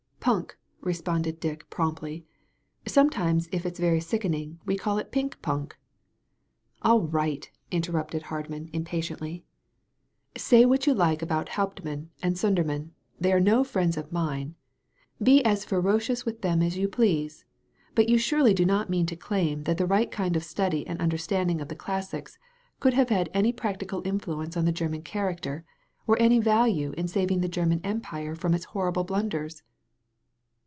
"Punk," responded Dick promptly. " Sometimes, if it's very sickening, we call it pink punk." "All right," interrupted Hardman impatiently* 189 THE VALLEY OF VISION ''Say what you like about Hauptmann and Suder mann. They are no friends of mine. Be as ferocious with them as you please. But you surely do not mean to claim that the right kind of study and understanding of the classics could have had any practical influence on the Grerman character, or any value in saving the German Empire from its horrible blunders."